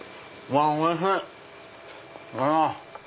おいしい！